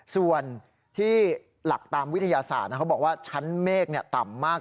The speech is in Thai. ส่วนที่หลักตามวิทยาศาสตร์เขาบอกว่าชั้นเมฆต่ำมาก